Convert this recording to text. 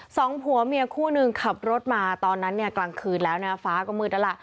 สองผัวเมียคู่หนึ่งขับรถมาตอนนั้นเนี่ยกลางคืนแล้วนะฟ้าก็มืดแล้วล่ะ